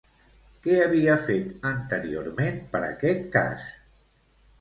Què havia fet anteriorment per aquest cas?